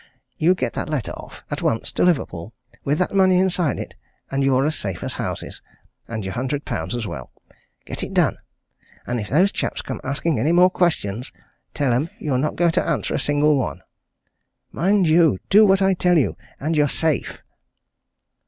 You get that letter off at once to Liverpool, with that money inside it, and you're as safe as houses and your hundred pounds as well. Get it done! And if those chaps come asking any more questions, tell 'em you're not going to answer a single one! Mind you! do what I tell you, and you're safe!"